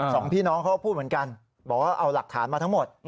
สองพี่น้องเขาก็พูดเหมือนกันบอกว่าเอาหลักฐานมาทั้งหมด